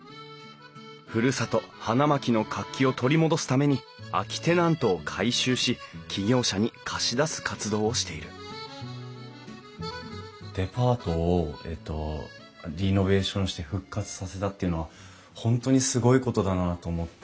ふるさと花巻の活気を取り戻すために空きテナントを改修し起業者に貸し出す活動をしているデパートをリノベーションして復活させたっていうのは本当にすごいことだなと思って。